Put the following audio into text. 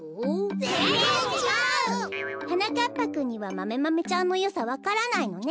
ぜんぜんちがう！はなかっぱくんにはマメマメちゃんのよさわからないのね。